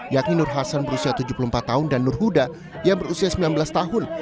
yakni nur hasan berusia tujuh puluh empat tahun dan nur huda yang berusia sembilan belas tahun